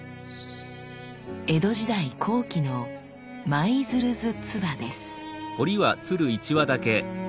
江戸時代後期の「舞鶴図鐔」です。